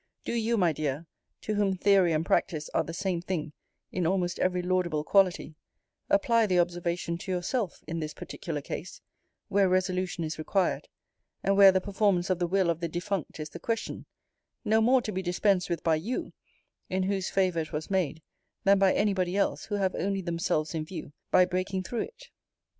Do you, my dear (to whom theory and practice are the same thing in almost every laudable quality), apply the observation to yourself, in this particular case, where resolution is required; and where the performance of the will of the defunct is the question no more to be dispensed with by you, in whose favour it was made, than by any body else who have only themselves in view by breaking through it.